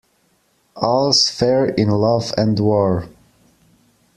All's fair in love and war.